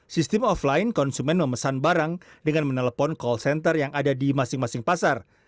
sistem offline konsumen memesan barang dengan menelpon call center yang ada di masing masing pasar